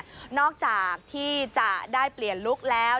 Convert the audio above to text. จะใช้บริการนอกจากที่จะได้เปลี่ยนลุ็กแล้ว